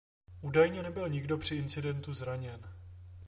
Údajně nebyl nikdo při incidentu zraněn.